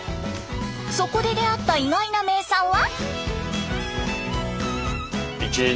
そこで出会った意外な名産は？